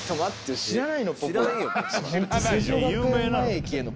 知らない？